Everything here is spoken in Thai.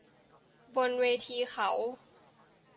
บนเวทีเขา